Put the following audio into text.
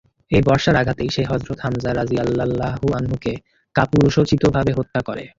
এই বর্শার আঘাতেই সে হযরত হামযা রাযিয়াল্লাহু আনহু-কে কাপুরুষোচিতভাবে হত্যা করে।